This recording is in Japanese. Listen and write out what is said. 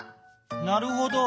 なるほど。